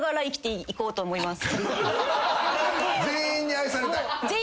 全員に愛されたい？